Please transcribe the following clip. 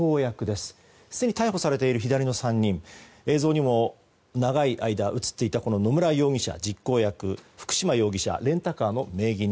すでに逮捕されている左の３人映像にも長い間映っていた野村容疑者、実行役福島容疑者レンタカーの名義人。